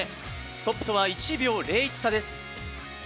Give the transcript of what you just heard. トップとは１秒０１差です。